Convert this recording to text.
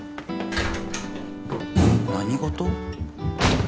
何事？